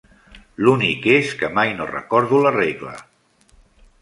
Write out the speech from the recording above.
L'únic és que mai no recordo la regla.